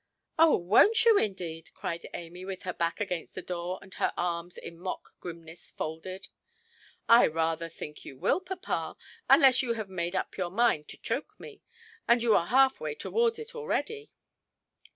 "Oh, wonʼt you, indeed"? cried Amy, with her back against the door and her arms in mock grimness folded. "I rather think you will, papa; unless you have made up your mind to choke me. And you are half way towards it already".